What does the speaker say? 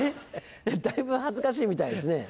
だいぶ恥ずかしいみたいですね。